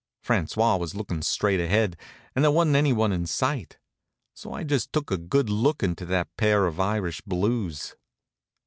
François was lookin' straight ahead, and there wasn't anyone in sight. So I just took a good look into that pair of Irish blues.